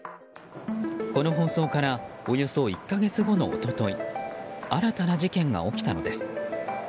この放送からおよそ１か月後の一昨日新たな事件が起きたのです。